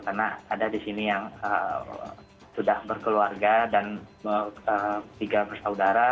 karena ada di sini yang sudah berkeluarga dan tiga saudara